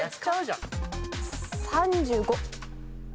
３５。